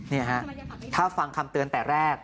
นี่ฮะถ้าฟังคำเตือนแต่แรก